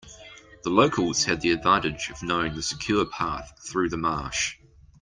The locals had the advantage of knowing the secure path through the marsh.